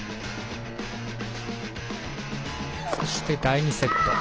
そして、第２セット。